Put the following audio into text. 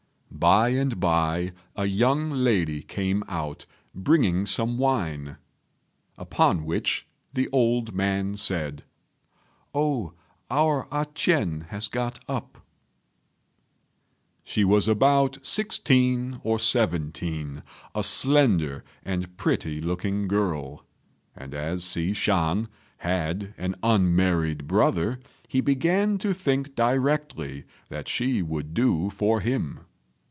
By and by a young lady came out, bringing some wine; upon which the old man said, "Oh, our A ch'ien has got up." She was about sixteen or seventeen, a slender and pretty looking girl; and as Hsi Shan had an unmarried brother, he began to think directly that she would do for him.